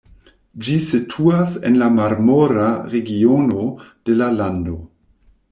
Ĝi situas en la Marmora regiono de la lando.